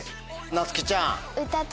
なつきちゃん。